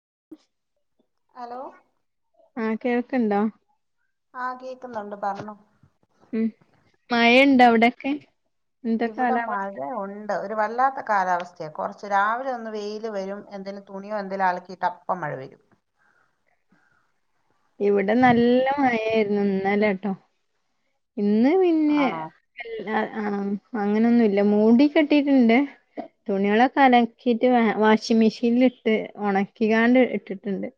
[unintelligible] Hello ആ കേൾക്ക്ണ്ടോ? ആഹ് കേക്കുന്നുണ്ട് പറഞ്ഞോ ഉം മഴണ്ടോ അവിടൊക്കെ? എന്താ ഇവിടെ കാലാവസ്ഥ മഴ ഉണ്ട് വല്ലാത്ത കാലാവസ്ഥയാ കുറച്ച് രാവിലെ ഒന്ന് വെയില് വരും എന്തേലും തുണിയോ എന്തെങ്കിലും അലക്കിയിട്ട അപ്പം മഴ വരും ഇവിടെ നല്ല മഴയായിരുന്നു ഇന്നലെട്ടോ ഇന്ന് പിന്നെ ആണോ എ അ ആഹ അങ്ങനൊന്നുംല്ല മൂടി കെട്ടിട്ടുണ്ട് തുണികളൊക്കെ അലക്കിട്ട് വാഷിംഗ്‌ മെഷീനിൽ ഇട്ട് ഉണക്കികാണ്ട് ഇട്ടിട്ടുണ്ട്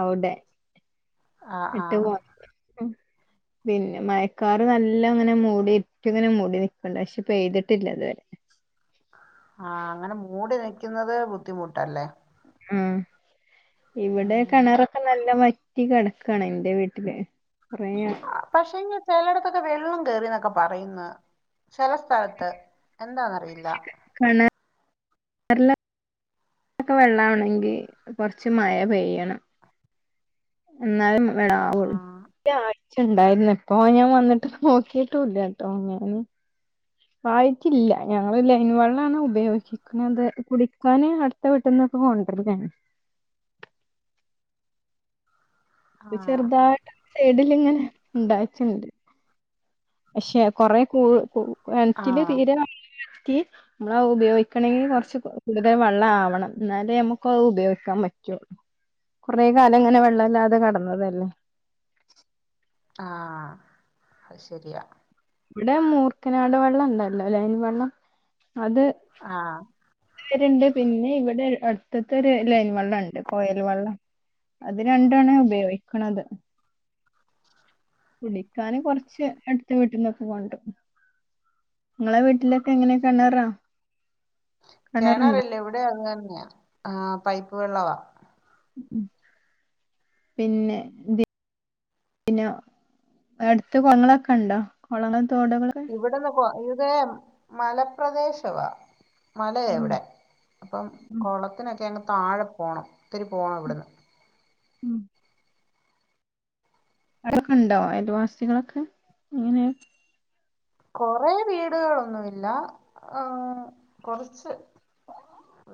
അവിടെ ആ ആ [unintelligible] [inaudible] പിന്നെ മഴക്കാറ് നല്ല അങ്ങനെ മൂടി ഇരുട്ട് ഇങ്ങനെ മൂടി നിക്കണ്ട് പക്ഷെ പെയ്തിട്ടില്ല ഇതുവരെ ആഹ് അങ്ങനെ മൂടി നിൽക്കുന്നത് ബുദ്ധിമുട്ടല്ലേ? ആഹ് ഇവിടെ ഉം കിണറൊക്കെ നല്ല മ കുട്ടി കിടക്കാണ് എന്റെ വീട്ടില് കൊറേ ആ പക്ഷെ ചേലൊടത്തൊക്കെ വേ വെള്ളം കേറിന്നൊക്കെ പറയുന്ന ചില സ്ഥലത്ത് എന്താന്നറിയില്ല കിണറിലൊക്കെ വെള്ളം ആവണെങ്കി കൊറച്ച് മഴ പെയ്യണം എന്നാലും- വെള്ളം ആ ആവും ഉണ്ടായിരുന്നു ഇപ്പൊ ഞാൻ വന്നിട്ട് നോക്കീട്ടുല്ലട്ടോ ഞാന് വാങ്ങിക്കില്ല ഞങ്ങള് ലൈൻ വെള്ളാണ് ഉപയോഗിക്കുന്നത് കുടിക്കാന് അടുത്ത വീട്ടിന്നൊക്കെ കൊണ്ടരുന്നാണ് ആ ഇവിടെച്ചെർതായ്ട്ട് ഉണ്ട് സൈഡിലിങ്ങനെ ഉണ്ടായിട്ട്ണ്ട് പക്ഷെ കൊറെ കൂ കൂ ആ എനക്കിന്റെ തീരെ ന [inaudible] റ്റി നമ്മൾ ഉപയോഗിക്കണെങ്കി കുറച്ച് കൂടുതൽ വെള്ളം ആവണം എന്നാലേ നമ്മുക്ക് അത് ഉപയോഗിക്കാൻ പറ്റുള്ളൂ കുറേ കാലം ഇങ്ങനെ വെള്ളല്ലാതെ കിടന്നതല്ലേ ആഹ് അത് ശെരിയാ ഇവിടെ മൂർക്കനാട് വെള്ളണ്ടല്ലോ ലൈൻ വെള്ളം ആ ണ്ട് പിന്നെ ഇവിടെ അടുത്തത്തെ ഒരു ലൈൻ വെള്ളം ഉണ്ട് കോയൽ വെള്ളം അത് രണ്ടുവാണ്ണ് ഉപയോഗി കുടിക്കാന് കൊറച്ച് അടുത്ത വീട്ടീന്നൊക്കെ കൊണ്ടു നിങ്ങള വീട്ടില് കിണറുണ്ടോ കെണറില്ല ഇവിടെ അങ്ങെ ആ പൈപ്പ് വെള്ളവാ പിന്നെ [unintelligible] പിന്നെ അടുത്ത് കൊളങ്ങളൊക്കെ ഉണ്ടോ കൊളണ തോട്കൾക്കെ [unintelligible] ഇതേ മലപ്രദേശവാ മലയാ ഉം ഇവിടെ അപ്പം ഉം കൊളത്തിനട് ക്കെ അങ്ങ് താഴെ പോണം ഒത്തിരി പോണം ഇവിട്ന്ന്. ഉം അടൊക്കെ ഉണ്ടോ അയൽവാസികളൊക്കെ? ഇങ്ങനേ കൊറെേ വീടുകളൊന്നുംല്ല, ഏഹ് കൊറച്ച്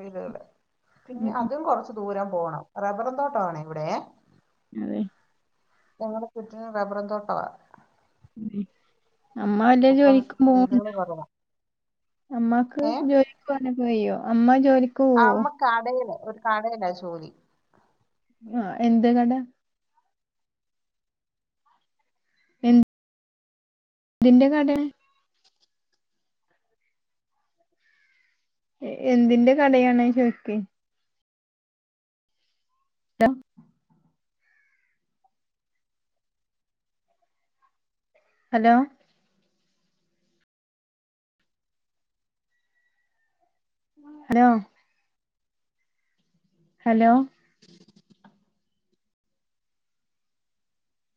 വീട്കള്. ഉം പിന്നെ ഉം. അതും കൊറച്ച് ദൂരം പോണം റബ്ബറും തോട്ടാണെ ഇവടേ അതെ ഞങ്ങടെ ചുറ്റിനും റബ്ബറും തോട്ടവാ. ഉം. അമ്മ വല്ല അപ്പം ജോലിക്കും പോവും വീടുകൾ കുറവാണ് അമ്മാക്ക് ഏ ജോലിക്ക് പോവാനൊക്കെ കയ്യോ? അമ്മ ജോലിക്ക് പോവോ? അമ്മ കടയില് ഒരു കടയിലാ ജോലി. ആ എന്ത് കട? ന്തിന്റെ കടയാ എന്തിന്റെ കടയാണ് ചോയിക്ക് [unintelligible] ഹലോ ഹലോ ഹലോ